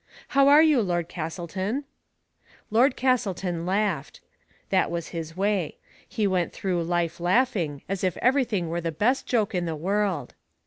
" How are you, Lord Castleton ?" Lord Castleton laughed. That was his way. He went through life laughing, as if everything were the best joke in the world.